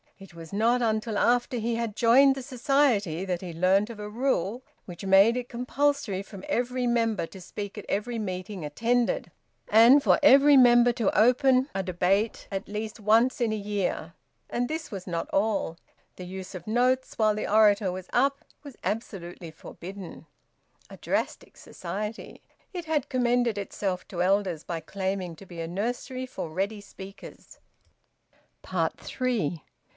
It was not until after he had joined the Society that he had learnt of a rule which made it compulsory for every member to speak at every meeting attended, and for every member to open a debate at least once in a year. And this was not all; the use of notes while the orator was `up' was absolutely forbidden. A drastic Society! It had commended itself to elders by claiming to be a nursery for ready speakers. THREE.